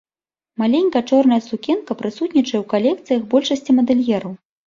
Маленькая чорная сукенка прысутнічае ў калекцыях большасці мадэльераў.